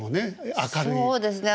そうですね